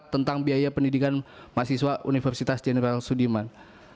tentang biaya pendidikan mahasiswa universitas jenderal sudiman